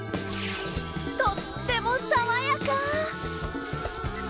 とっても爽やか！